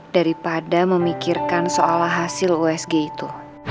daripada memikirkan soal hasil usg itu